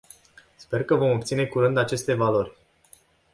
Sper că vom obține curând aceste valori.